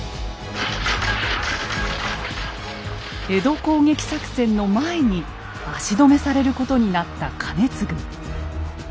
江戸攻撃作戦の前に足止めされることになった兼続。